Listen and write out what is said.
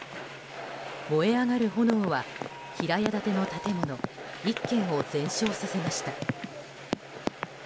燃え上がる炎は平屋建ての建物１軒を全焼させました。